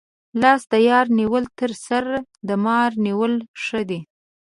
لاس د یار نیول تر سر د مار نیولو ښه دي.